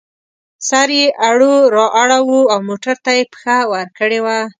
سر یې اړو را اړوو او موټر ته یې پښه ورکړې وه.